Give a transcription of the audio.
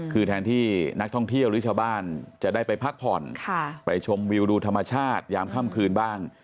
คือแทนที่นักท่องเที่ยวหรือชาวบ้านจะได้ไปพักผ่อนไปชมวิวดูธรรมชาติยามค่ำคืนบ้าง